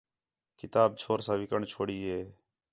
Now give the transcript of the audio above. کتاب چھور سا وکݨ چھوڑی ہِے